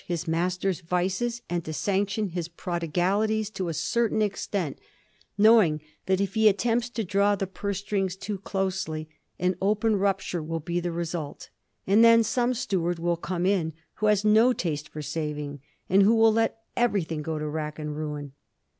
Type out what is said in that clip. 219 liis master's vices and to sanction his prodigalities to a certain extent, knowing that if he attempts to draw the purse strings too closely an open rupture will be the result, and then some steward will come in who has no taste for saving, and who will let everything go to rack and ruin.